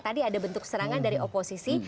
tadi ada bentuk serangan dari oposisi